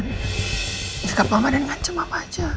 menganggap mama dan ngancam mama aja